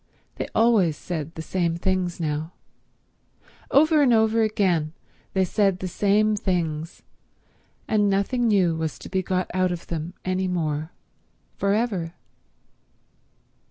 They always said the same things now—over and over again they said the same things, and nothing new was to be got out of them any more for ever.